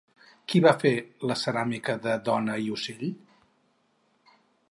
Qui va fer la ceràmica de dona i ocell?